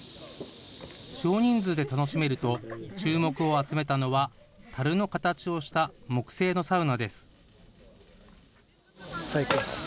少人数で楽しめると、注目を集めたのは、たるの形をした木製のサウナです。